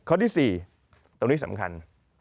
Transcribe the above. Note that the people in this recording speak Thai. ข้อที่๔ตรงนี้สำคัญ